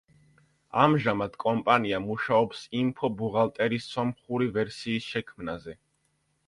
ამჟამად კომპანია მუშაობს „ინფო ბუღალტერის“ სომხური ვერსიის შექმნაზე.